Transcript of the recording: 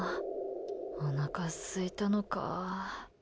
おなかすいたのか？